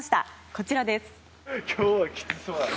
こちらです。